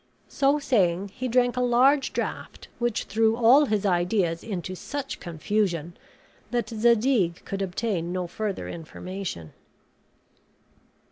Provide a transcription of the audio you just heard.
So saying he drank a large draught which threw all his ideas into such confusion that Zadig could obtain no further information.